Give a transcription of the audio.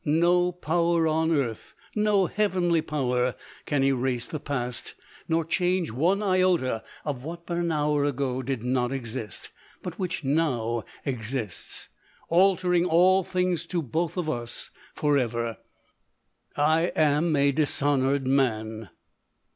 No power on earth — no heavenly power can erase the past, nor change one iota of what, but an hour ago, did not exist, but which now exists ; altering all things to both of us for ever ; I am a dishonour ed man.